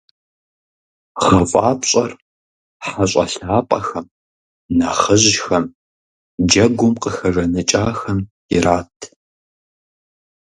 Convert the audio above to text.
ГъэфӀапщӀэр - хьэщӀэ лъапӀэхэм, нэхъыжьхэм, джэгум къыхэжаныкӀахэм ират.